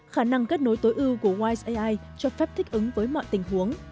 khả năng kết nối tối ưu của wise ai cho phép thích ứng với mọi tình huống